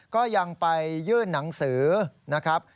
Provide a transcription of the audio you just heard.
ก็ยังไปยื่นหนังสือนะครับ